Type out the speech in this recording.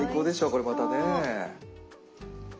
これまたね。